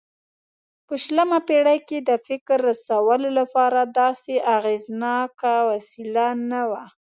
په شلمه پېړۍ کې د فکر رسولو لپاره داسې اغېزناکه وسیله نه وه.